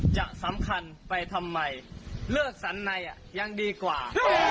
จะสำคัญไปทำไมเลือกสรรในยังดีกว่า